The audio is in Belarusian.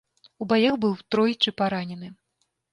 У баях быў тройчы паранены.